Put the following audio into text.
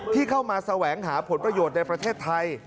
ที่เข้ามาแสวงหาผลประโยชน์ในประเทศไทย